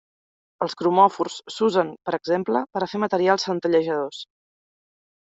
Els cromòfors s'usen per exemple per a fer materials centellejadors.